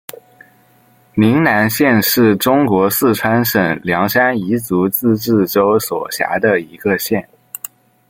宁南县是中国四川省凉山彝族自治州所辖的一个县。